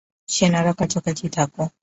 সেনারা, কাছাকাছি থাকো!